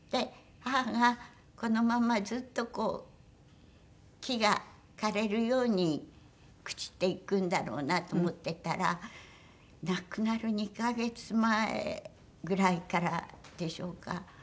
母がこのままずっとこう木が枯れるように朽ちていくんだろうなと思っていたら亡くなる２カ月前ぐらいからでしょうか。